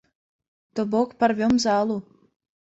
То бок, парвем залу.